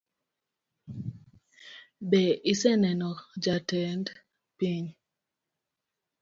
Be ise neno jatend piny?